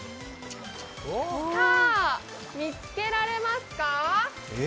さあ、見つけられますか？